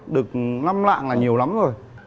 được năm lạng là nhiều lắm rồi